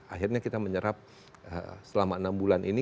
akhirnya kita menyerap selama enam bulan ini